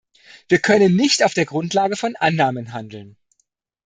Wir können nicht auf der Grundlage von Annahmen handeln.